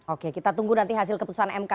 oke kita tunggu nanti hasil keputusan mk